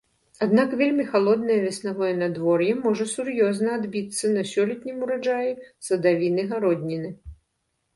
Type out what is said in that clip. Аднак вельмі халоднае веснавое надвор'е можа сур'ёзна адбіцца на сёлетнім ураджаі садавіны-гародніны.